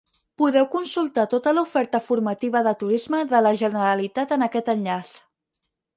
Podeu consultar tota l'oferta formativa de Turisme de la Generalitat en aquest enllaç.